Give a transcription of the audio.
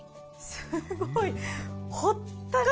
すごい。